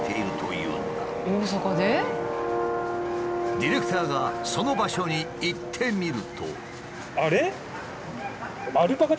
ディレクターがその場所に行ってみると。